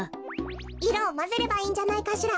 いろをまぜればいいんじゃないかしら。